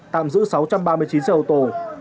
tạm giữ sáu trăm ba mươi chín xe ô tô